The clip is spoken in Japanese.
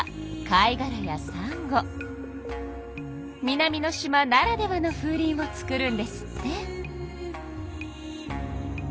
南の島ならではのふうりんを作るんですって。